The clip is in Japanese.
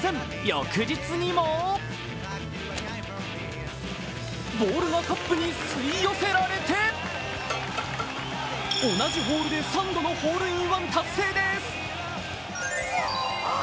翌日にもボールがカップに吸いよせられて同じホールで３度のホールインワン達成です。